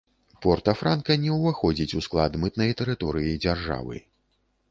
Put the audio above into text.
Порта-франка не ўваходзіць у склад мытнай тэрыторыі дзяржавы.